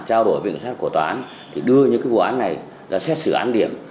trao đổi vịnh sát của tòa án đưa những vụ án này ra xét xử án điểm